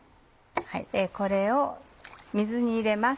これを水に入れます。